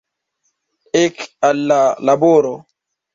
Ek al la laboro!